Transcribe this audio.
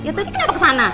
ya tadi kenapa kesana